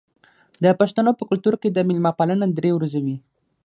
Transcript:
د پښتنو په کلتور کې د میلمه پالنه درې ورځې وي.